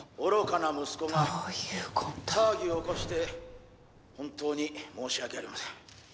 「愚かな息子が騒ぎを起こして本当に申し訳ありません」